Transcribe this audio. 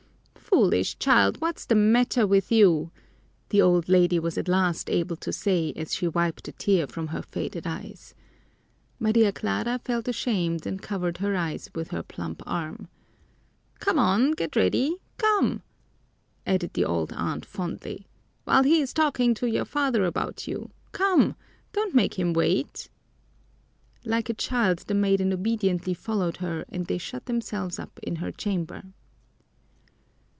"Foolish child, what's the matter with you?" the old lady was at last able to say as she wiped a tear from her faded eyes. Maria Clara felt ashamed and covered her eyes with her plump arm. "Come on, get ready, come!" added the old aunt fondly. "While he is talking to your father about you. Come, don't make him wait." Like a child the maiden obediently followed her and they shut themselves up in her chamber.